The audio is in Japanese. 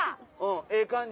ええ感じ。